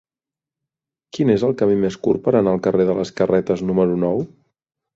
Quin és el camí més curt per anar al carrer de les Carretes número nou?